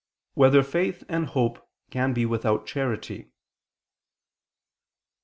4] Whether Faith and Hope Can Be Without Charity?